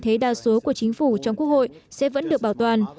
thế đa số của chính phủ trong quốc hội sẽ vẫn được bảo toàn